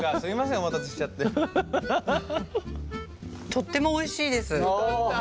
とってもおいしいです。